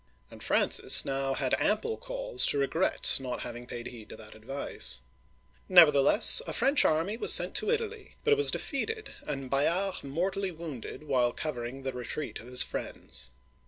" And Francis now had ample cause to regret not having paid heed to that advice. Digitized by Google FRANCIS I. (1515 1547) 233 Nevertheless, a French army was sent to Italy; but it was defeated and Bayard mortally wounded while cover ing the retreat of his friends.